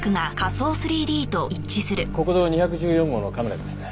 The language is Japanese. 国道２１４号のカメラですね。